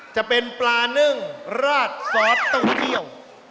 จะเป็นปลาหนึ่งรสสอตเต้าเจี่ยว